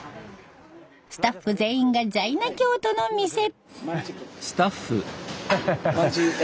スタッフ全員がジャイナ教徒の店。